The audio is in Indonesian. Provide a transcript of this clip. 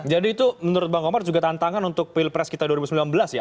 jadi itu menurut bang komar juga tantangan untuk pilpres kita dua ribu sembilan belas ya